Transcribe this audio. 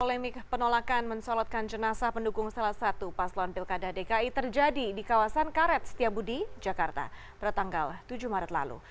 polemik penolakan mensolotkan jenazah pendukung salah satu paslon pilkada dki terjadi di kawasan karet setiabudi jakarta pada tanggal tujuh maret lalu